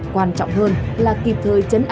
quan trọng hơn là kịp thời chấn an tâm lý